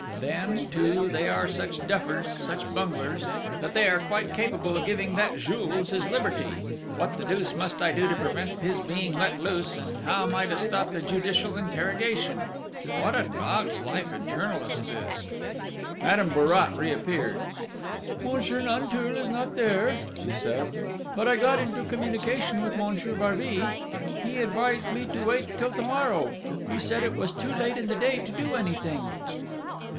Then, too, they are such duffers such bunglers that they are quite capable of giving that Jules his liberty!... What the deuce must I do to prevent his being let loose, and how am I to stop the judicial interrogation?... What a dog's life a journalist's is!" Madame Bourrat reappeared. "Monsieur Nanteuil is not there," she said. "But I got into communication with Monsieur Barbey.... He advised me to wait till to morrow: he said it was too late in the day to do anything...."